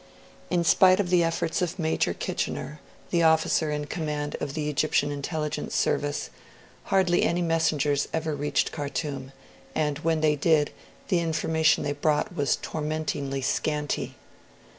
In spite of the efforts of Major Kitchener, the officer in command of the Egyptian Intelligence Service, hardly any messengers ever reached Khartoum; and when they did, the information they brought was tormentingly scanty.